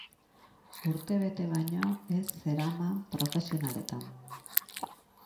Urte bete baino ez zeraman profesionaletan.